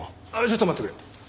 ちょっと待ってくれ。